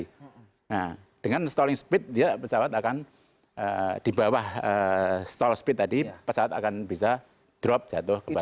nah dengan stalling speed dia pesawat akan di bawah stall speed tadi pesawat akan bisa drop jatuh ke bawah